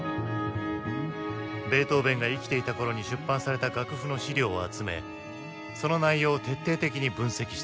ベートーヴェンが生きていた頃に出版された楽譜の資料を集めその内容を徹底的に分析した。